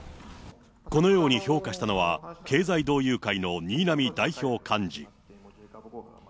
このように評価したのは、経済同友会の新浪代表幹事。